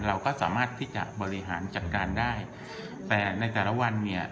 เราก็สามารถที่จะบริหารจัดการได้แต่ในแต่ละวันเนี่ย